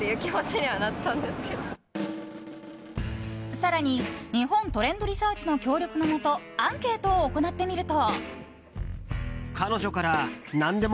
更に日本トレンドリサーチの協力のもとアンケートを行ってみると。